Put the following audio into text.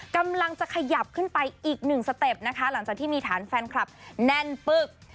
กำลังจะขยับขึ้นไปอีกหนึ่งสเต็ปนะคะหลังจากที่มีฐานแฟนคลับแน่นปึ๊ก